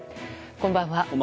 こんばんは。